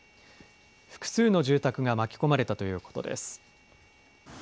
複数の住宅が巻き込まれたということです。